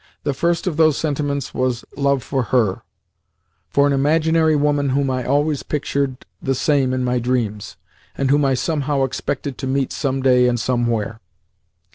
The first of those sentiments was love for HER for an imaginary woman whom I always pictured the same in my dreams, and whom I somehow expected to meet some day and somewhere.